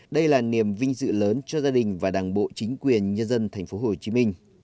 đây là niềm vinh dự lớn cho gia đình và đảng bộ chính quyền nhân dân tp hcm